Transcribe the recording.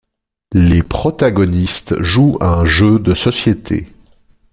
Les protagonistes jouent à un jeu de société.